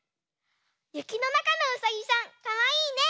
ゆきのなかのうさぎさんかわいいね！